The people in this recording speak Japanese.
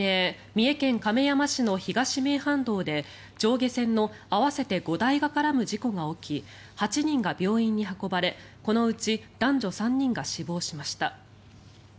三重県亀山市の東名阪道で上下線の合わせて５台が絡む事故が起き８人が病院に運ばれこのうち男女３人が死亡しました。